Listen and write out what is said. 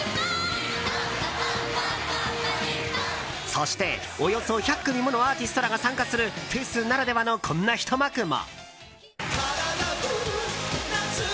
そして、およそ１００組ものアーティストが参加するフェスならではのこんなひと幕も。